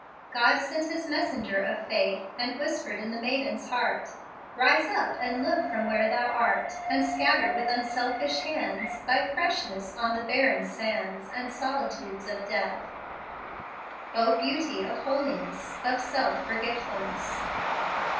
"God sent His messenger of faith, And whispered in the maiden's heart, 'Rise up and look from where thou art, And scatter with unselfish hands Thy freshness on the barren sands And solitudes of death.'" "O beauty of holiness, Of self forgetfulness!"